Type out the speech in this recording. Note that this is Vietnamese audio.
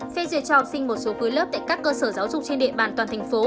phê duyệt cho học sinh một số khối lớp tại các cơ sở giáo dục trên địa bàn toàn thành phố